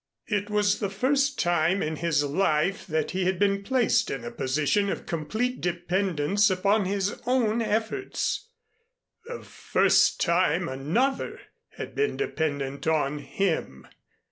It was the first time in his life that he had been placed in a position of complete dependence upon his own efforts the first time another had been dependent on him.